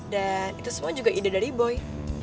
dan itu semua juga ide dari boy